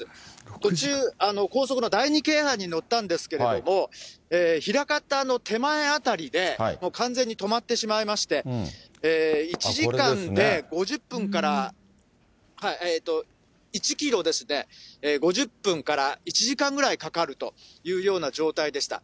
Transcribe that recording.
途中、高速の第２京阪に乗ったんですけれども、枚方の手前辺りで、もう完全に止まってしまいまして、１時間で５０分から１キロですね、５０分から１時間ぐらいかかるというような状態でした。